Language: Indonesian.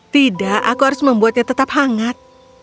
tidak aku harus membuatnya tetap hangat